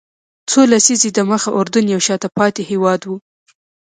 څو لسیزې دمخه اردن یو شاته پاتې هېواد و.